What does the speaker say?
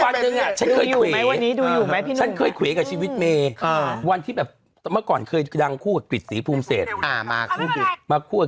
ดูไหมฉันเคยแค่ชีวิตเมฆค่ะวันที่แบบต่้อเมื่อก่อนเคยดังคู่กับผิดสีภูมิเศษควร